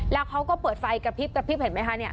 แล้วเขาก็เปิดไฟกระพริบกระพริบเห็นไหมคะ